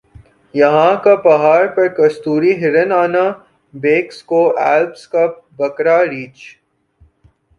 یَہاں کا پہاڑ پر کستوری ہرن آنا بیکس کوہ ایلپس کا بکرا ریچھ